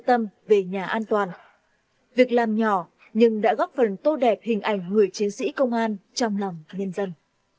tâm về nhà an toàn việc làm nhỏ nhưng đã góp phần tô đẹp hình ảnh người chiến sĩ công an trong lòng nhân dân